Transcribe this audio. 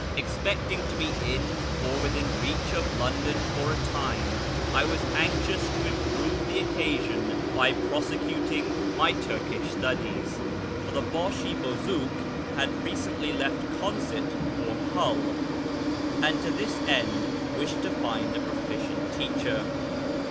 Expecting to be in, or within reach of, London for a time, I was anxious to improve the occasion by prosecuting my Turkish studies (for the " Bashi bozouk " had recently left Consett for Hull), and to this end wished to find a proficient teacher.